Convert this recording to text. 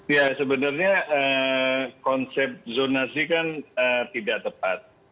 ya sebenarnya konsep zonasi kan tidak tepat